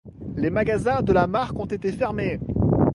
Les magasins de la marque ont été fermés.